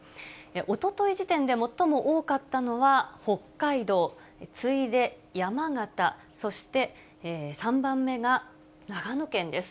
おととい時点で最も多かったのは北海道、次いで山形、そして３番目が長野県です。